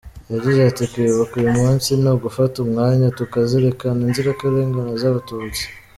Yagize ati “Kwibuka uyu munsi ni ugufata umwanya tukazirikana inzirakarengane z’Abatutsi.